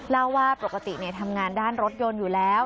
เล่าว่าปกติทำงานด้านรถยนต์อยู่แล้ว